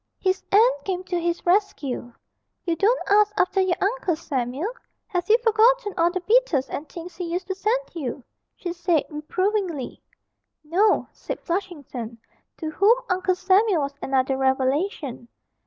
His aunt came to his rescue. 'You don't ask after your Uncle Samuel have you forgotten all the beetles and things he used to send you?' she said reprovingly. 'No,' said Flushington, to whom Uncle Samuel was another revelation.